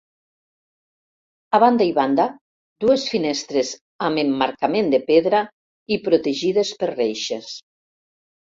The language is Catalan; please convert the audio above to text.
A banda i banda, dues finestres amb emmarcament de pedra i protegides per reixes.